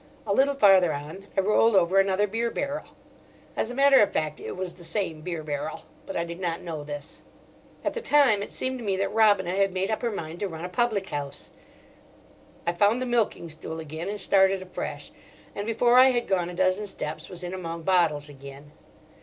A little farther on I rolled over another beer barrel: as a matter of fact it was the same beer barrel, but I did not know this. At the time it seemed to me that Robina had made up her mind to run a public house. I found the milking stool again and started afresh, and before I had gone a dozen steps was in among bottles again.